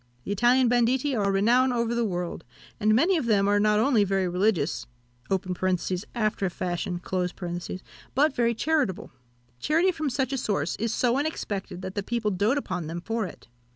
The Italian banditti are renowned over the world; and many of them are not only very religious (after a fashion) but very charitable. Charity from such a source is so unexpected, that the people doat upon them for it.